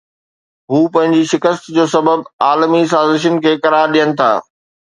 هو پنهنجي شڪست جو سبب عالمي سازشن کي قرار ڏين ٿا